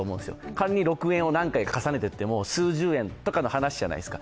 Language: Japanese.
仮に６円を何回か重ねていっても数十円の話じゃないですか。